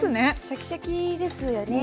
シャキシャキですよね。